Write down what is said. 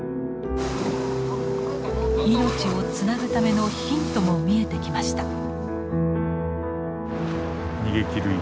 命をつなぐためのヒントも見えてきました。